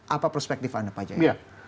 apa perspektif anda pak jaya